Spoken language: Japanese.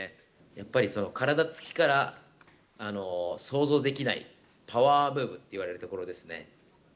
やっぱり体つきから想像できない、パワームーブといわれるところですね。